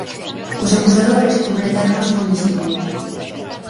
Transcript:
Os Acusadores completaron a súa misión